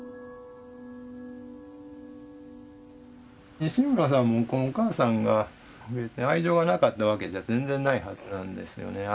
西村さんもこのお母さんが別に愛情がなかったわけじゃ全然ないはずなんですよね。